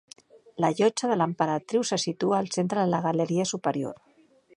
La llotja de l'emperadriu se situa al centre de la galeria superior.